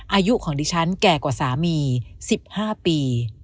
อายุของดิฉันแก่กว่าสามี๑๕ปี